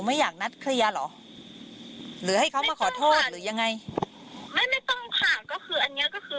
ที่มันไม่ใช่ในเรื่องของการเธอมึงยิ่งชักสามีฉันอะไรอย่างนี้